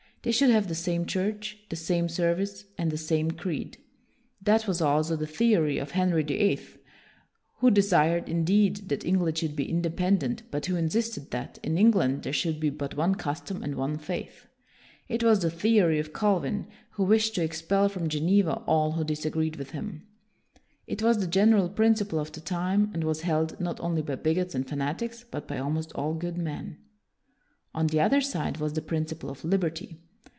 They should have the same church, the same service, and the same creed. That was also the theory of Henry the Eighth, who desired, indeed, that England should be independent, but who insisted that, in England, there should be but one custom and one faith. It was the theory of Cal vin, who wished to expel from Geneva all who disagreed with him. It was the WILLIAM THE SILENT 173 general principle of the time, and was held, not only by bigots and fanatics, but by almost all good men. On the other side was the principle of liberty.